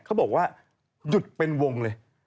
เขาบอกว่าหยุดเป็นวงเลย